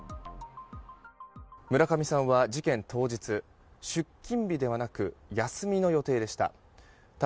村上さんは事件当日出勤日ではなく休みの予定でした。